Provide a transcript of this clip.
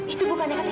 itu bukan dekat idang